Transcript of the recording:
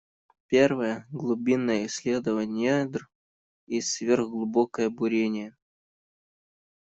Первая — глубинное исследование недр и сверхглубокое бурение.